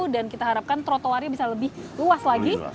dan kita harapkan trotoarnya bisa lebih luas lagi